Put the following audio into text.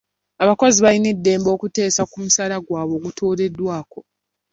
Abakozi balina eddembe okuteesa ku musaala gwabwe ogutooleddwako.